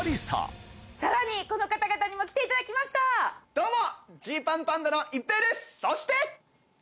どうも！